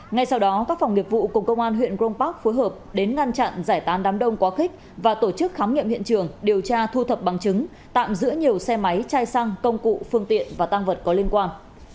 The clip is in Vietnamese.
ngay sau đó các phòng nghiệp vụ cùng công an huyện grong park phối hợp đến ngăn chặn giải tán đám đông quá khích và tổ chức khám nghiệm hiện trường điều tra thu thập bằng chứng tạm giữ nhiều xe máy chai xăng công cụ phương tiện và tăng vật có liên quan